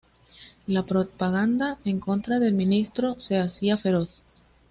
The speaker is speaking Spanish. La propaganda en contra del ministro se hacía feroz.